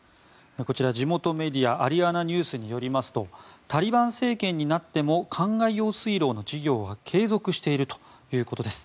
こちら、地元メディアアリアナニュースによりますとタリバン政権になってもかんがい用水路の事業は継続しているということです。